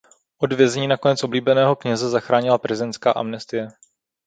Od vězení nakonec oblíbeného kněze zachránila prezidentská amnestie.